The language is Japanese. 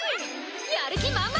やる気満々！